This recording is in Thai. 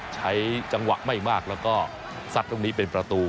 ใช้จังหวะไม่มากแล้วก็ซัดตรงนี้เป็นประตู